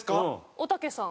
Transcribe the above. おたけさん。